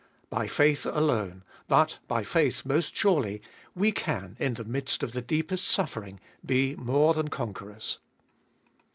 By faith alone, but by faith most surely, we can, in the midst of the deepest suffering, be more than conquerors.